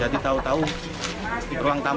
jadi tahu tahu di ruang tamu